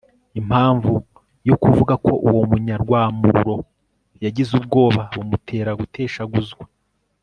impamvu yo kuvuga ko uwo munyarwamururo yagize ubwoba bumutera guteshaguzwa